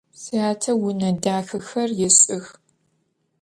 Syate vune daxexer yêş'ıx.